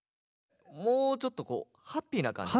もうちょっとこうハッピーな感じでさ。